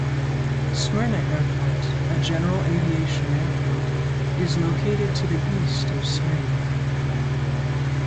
Smyrna Airport, a general aviation airport, is located to the east of Smyrna.